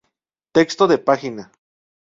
Texto de página.